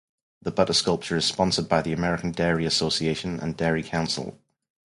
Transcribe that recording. The butter sculpture is sponsored by the American Dairy Association and Dairy Council.